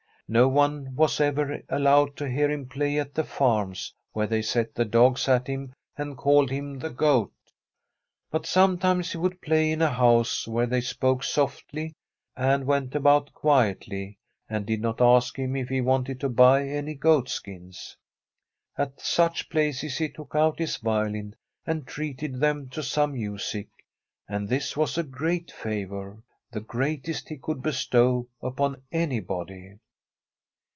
No one was ever allowed to hear him play at the farms, where they set the dogs at him and called him the ' Goat '; but some times he would play in a house where they spoke softly, and went about quietly, and did not ask him if he wanted to buy any goat skins. At such places he took out his violin and treated them to some music ; and this was a great favour — ^the greatest he could bestow upon anybody.